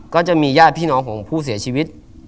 ก็จะมีญาติพี่น้องของผู้เสียชีวิต